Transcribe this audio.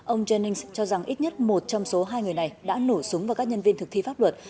ông jennings cho rằng ít nhất một trong số hai người này đã nổ súng vào các nhân viên thực thi pháp luật